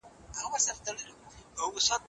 لويديځوالو غوښتل چي ګران بيه پوستکي واخلي.